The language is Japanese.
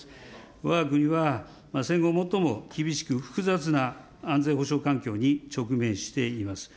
わが国は戦後最も厳しく複雑な安全保障環境に直面しています。